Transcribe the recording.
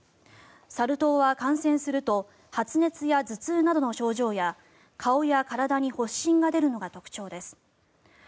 サル痘は感染すると発熱や頭痛などの症状や顔や体に発疹が出るのが特徴です。